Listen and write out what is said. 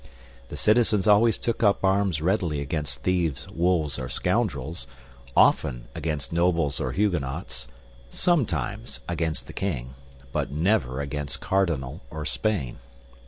The citizens always took up arms readily against thieves, wolves or scoundrels, often against nobles or Huguenots, sometimes against the king, but never against the cardinal or Spain.